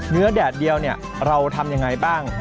เนื้อแดดเดียวเนี่ยเราทำอย่างไรบ้าง